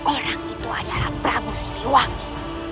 orang itu adalah pramu siliwangi